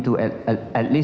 atau di luar negeri